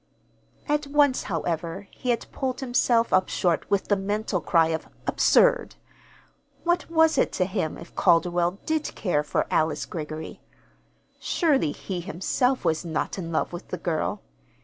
At once, however, he had pulled himself up short with the mental cry of "Absurd!" What was it to him if Calderwell did care for Alice Greggory? Surely he himself was not in love with the girl.